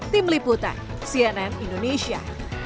tim liputan cnn indonesia